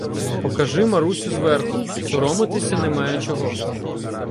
— Покажи, Марусю, зверху, соромитися немає чого.